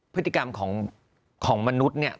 พฤติกรรมของมนุษย์เนี่ย